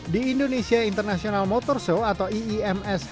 di indonesia international motor show atau iims